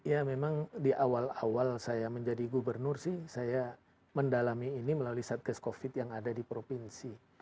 ya memang di awal awal saya menjadi gubernur sih saya mendalami ini melalui satgas covid yang ada di provinsi